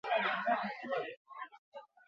Zein kontzertu motarekin gozatzen duzu gehien?